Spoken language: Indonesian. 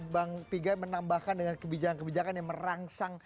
bang pigai menambahkan dengan kebijakan kebijakan yang merangsang